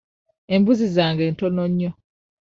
Embuzi zange ntono nnyo.